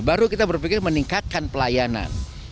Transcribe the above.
baru kita berpikir meningkatkan pelayanan